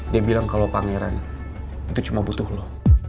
dia bilang kalau pangeran itu cuma butuh loh